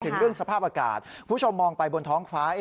ถึงเรื่องสภาพอากาศผู้ชมมองไปบนท้องฟ้า